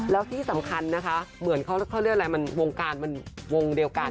แล้วที่สำคัญนะคะเหมือนเขาเรียกอะไรมันวงการมันวงเดียวกัน